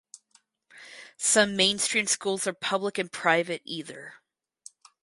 Some mainstream schools are public and private either.